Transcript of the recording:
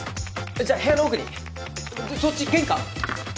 じゃあ部屋の奥にそっち玄関！